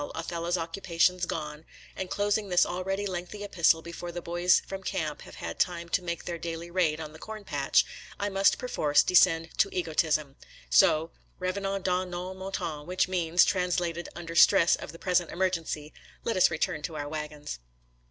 Othello's occupa tion's gone," and closing this already lengthy epistle before the boys from camp have had time to make their daily raid on the corn patch, I must perforce descend to egotism; so " revenons d, nos moutons" — which means, translated un der stress of the present emergency, let us return to our wagons.